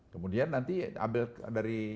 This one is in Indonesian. kemudian nanti ambil dari